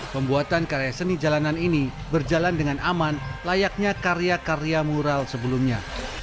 pembuatan karya seni jalanan ini berjalan dengan aman layaknya karya karya mural sebelumnya